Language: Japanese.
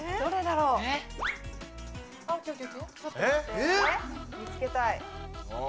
えっ？見つけたい。